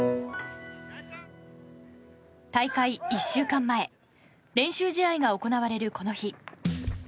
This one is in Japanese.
大会１週間前練習試合が行われる、この日。